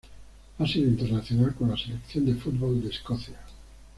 Ha sido internacional con la Selección de fútbol de Escocia.